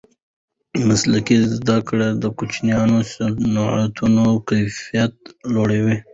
مسلکي زده کړې د کوچنیو صنعتونو کیفیت لوړوي.